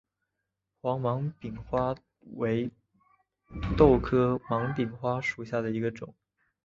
黄芒柄花为豆科芒柄花属下的一个种。